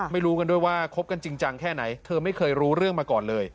ไม่รู้กันด้วยว่าคบกันจริงจังแค่ไหนเธอไม่เคยรู้เรื่องมาก่อนเลย